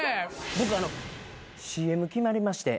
僕ＣＭ決まりまして。